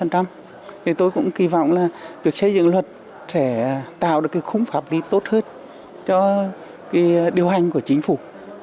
thì tôi cũng kỳ vọng là việc xây dựng luật sẽ tạo được cái khung pháp lý tốt hơn cho điều hành của chính phủ